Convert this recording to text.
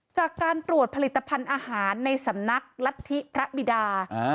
จากการตรวจผลิตภัณฑ์อาหารในสำนักรัฐธิพระบิดา